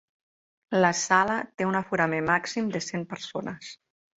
La sala té un aforament màxim de cent persones.